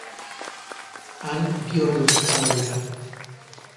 Han bi orduz izango dira.